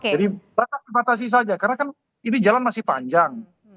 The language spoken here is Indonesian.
jadi batas batasi saja karena kan ini jalan masih panjang